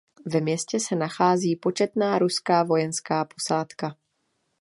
Ve městě se nachází početná ruská vojenská posádka.